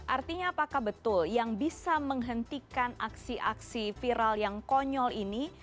artinya apakah betul yang bisa menghentikan aksi aksi viral yang konyol ini